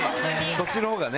そっちの方がね。